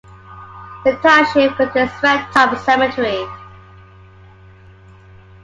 The township contains Redtop Cemetery.